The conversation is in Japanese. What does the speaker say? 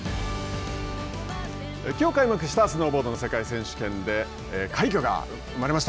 きょう開幕したスノーボードの世界選手権で快挙が生まれました。